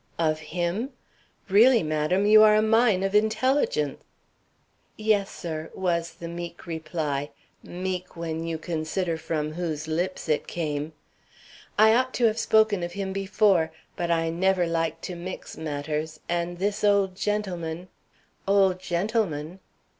"Of him? Really, madam, you are a mine of intelligence." "Yes, sir," was the meek reply; meek, when you consider from whose lips it came. "I ought to have spoken of him before, but I never like to mix matters, and this old gentleman " "Old gentleman!"